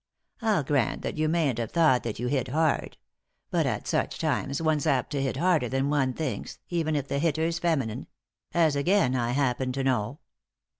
I'll grant that you mayn't have thought that yon hit hard. But at such times one's apt to hit harder than one thinks, even if the hitter's feminine— as again I happen to know.